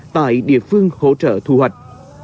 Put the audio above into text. tại địa phương hỗ trợ thu hoạch